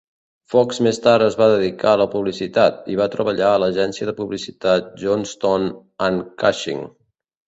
Fox més tard es va dedicar a la publicitat, i va treballar a l'agència de publicitat Johnstone and Cushing.